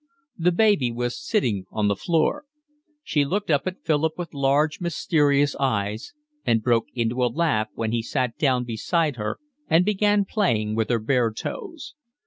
The baby was sitting on the floor. She looked up at Philip with large, mysterious eyes and broke into a laugh when he sat down beside her and began playing with her bare toes.